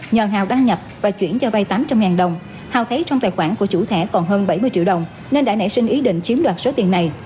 nhờ hào đăng nhập và chuyển cho vay tám trăm linh đồng hào thấy trong tài khoản của chủ thẻ còn hơn bảy mươi triệu đồng nên đã nảy sinh ý định chiếm đoạt số tiền này